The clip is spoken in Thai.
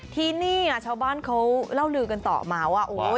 ที่นี่ชาวบ้านเขาเล่าลือกันต่อมาว่า